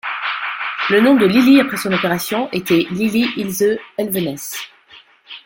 Le nom de Lili après son opération était Lili Ilse Elvenes.